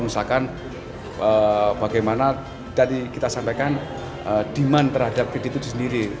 misalkan bagaimana tadi kita sampaikan demand terhadap bibit itu sendiri